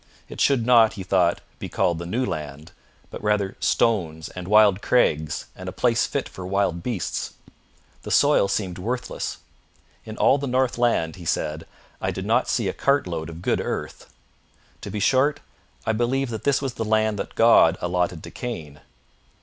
It should not, he thought, be called the New Land, but rather stones and wild crags and a place fit for wild beasts. The soil seemed worthless. 'In all the north land,' said he, 'I did not see a cartload of good earth. To be short, I believe that this was the land that God allotted to Cain.'